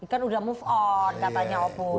kan udah move on katanya opung